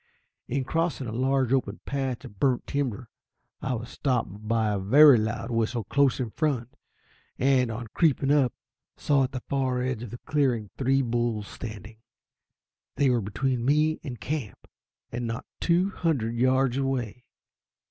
In crossing a large open patch of burnt timber, I was stopped by a very loud whistle close in front; and, on creeping up, saw on the far edge of the clearing three bulls standing. They were between me and camp, and not two hundred yards away.